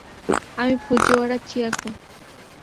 আমি ফুজিওয়ারা চিয়োকো।